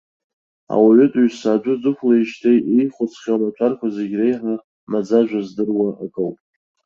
Ауаҩытәыҩса адәы дықәлеижьҭеи иихәыцхьоу амаҭәарқәа зегь реиҳа маӡажәа здыруа акоуп.